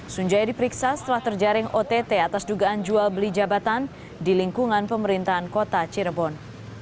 sunjaya diperiksa setelah terjaring ott atas dugaan jual beli jabatan di lingkungan pemerintahan kota cirebon